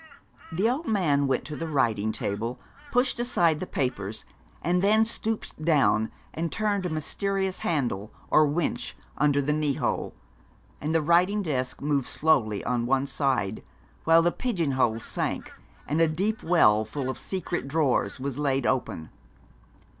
The old man went to the writing table, pushed aside the papers, and then stooped down and turned a mysterious handle or winch under the knee hole, and the writing desk moved slowly on one side, while the pigeon holes sank, and a deep well full of secret drawers was laid open.